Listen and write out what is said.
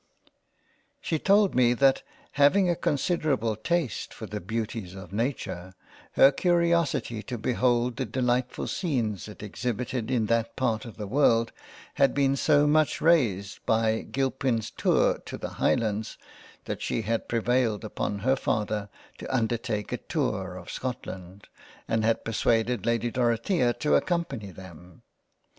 She told me that having a considerable taste for the Beauties of Nature, her curiosity to behold the delightful scenes it exhibited in that part of the World had been so much raised by Gilpin's Tour to the Highlands, that she had prevailed on her Father to undertake a Tour to Scotland and had per suaded Lady Dorothea to accompany them.